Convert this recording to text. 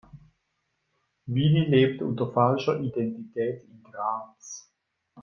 Willi lebt unter falscher Identität in Graz.